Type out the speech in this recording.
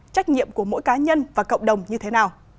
trách nhiệm của mỗi cá nhân và cộng đồng như thế nào